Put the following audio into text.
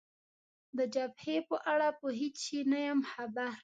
د جبهې په اړه په هېڅ شي نه یم خبر.